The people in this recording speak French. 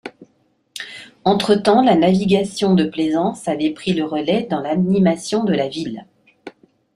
Entre-temps, la navigation de plaisance avait pris le relais dans l'animation de la ville.